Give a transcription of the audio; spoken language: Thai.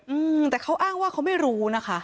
อืมแต่เขาอ้างว่าเขาไม่รู้นะคะ